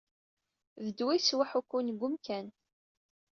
D ddwa yettwaḥukkun deg umkan.